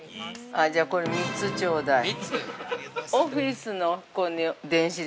◆あー、じゃあこれ３つちょうだい。